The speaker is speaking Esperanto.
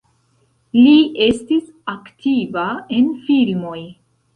Li estis aktiva en filmoj.